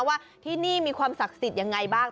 ว่าที่นี่มีความศักดิ์สิทธิ์ยังไงบ้าง